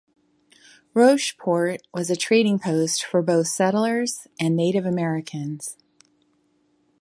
Rocheport was a trading post for both settlers and Native Americans.